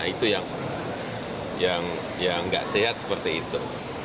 itu yang tidak sehat seperti itu